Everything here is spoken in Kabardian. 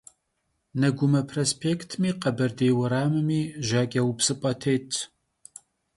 Negume prospêktmi Kheberdêy vuerammi jaç'eupsıp'e têtş.